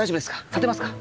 立てますか？